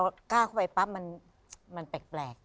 พอกล้าเข้าไปปั๊บมันแปลก